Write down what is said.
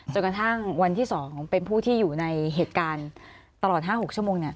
จนกระทั่งวันที่๒เป็นผู้ที่อยู่ในเหตุการณ์ตลอด๕๖ชั่วโมงเนี่ย